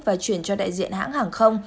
và chuyển cho đại diện hãng hàng không